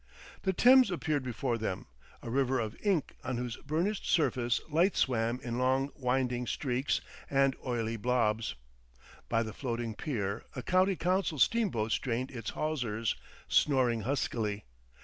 The Thames appeared before them, a river of ink on whose burnished surface lights swam in long winding streaks and oily blobs. By the floating pier a County Council steamboat strained its hawsers, snoring huskily.